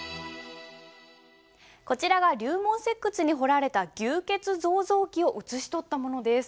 こちらが龍門石窟に彫られた「牛造像記」を写し取ったものです。